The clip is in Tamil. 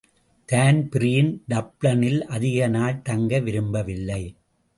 தான்பிரீன் டப்ளினில் அதிக நாள் தங்க விரும்பவில்லை.